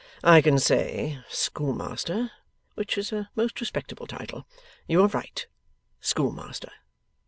I can say Schoolmaster, which is a most respectable title. You are right, Schoolmaster.